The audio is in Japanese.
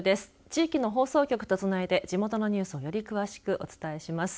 地域の放送局とつないで地元のニュースをより詳しくお伝えします。